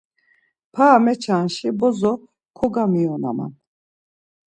Para meçanis bozo kogamiyonaman.